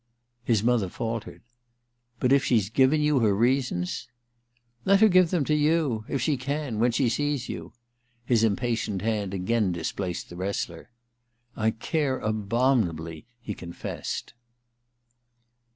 ...' His mother faltered. * But if she's given you her reasons ?'* Let her give them to you ! If she can — when she sees you. ...' His impatient hand again displaced the wrestler. *I care abomin ably,' he confessed.